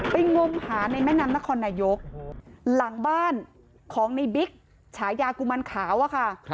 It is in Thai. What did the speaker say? งมหาในแม่น้ำนครนายกหลังบ้านของในบิ๊กฉายากุมันขาวอะค่ะ